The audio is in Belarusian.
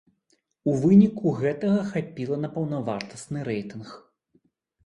У выніку гэтага хапіла на паўнавартасны рэйтынг.